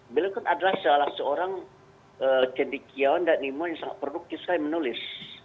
beliau kan adalah salah seorang cendikiawan dan ilmuwan yang sangat perlu kisah dan menulis